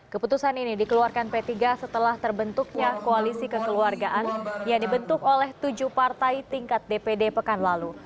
keputusan ini dikeluarkan p tiga setelah terbentuknya koalisi kekeluargaan yang dibentuk oleh tujuh partai tingkat dpd pekan lalu